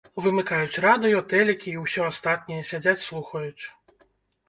Вымыкаюць радыё, тэлікі і ўсё астатняе, сядзяць слухаюць.